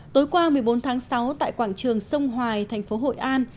tối qua một mươi bốn tháng sáu tại quảng trường sông hoài thành phố hội an